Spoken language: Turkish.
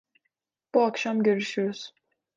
Bu akşam görüşürüz.